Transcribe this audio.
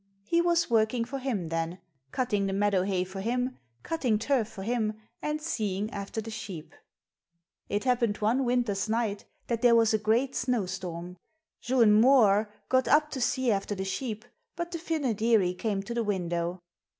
He was working for him then, cutting the meadow hay for him, cutting turf for him, and seeing after the sheep. It happened one winter's night that there was a great snow storm. Juan Mooar got up to see after the sheep, but the Fynoderee came to the window.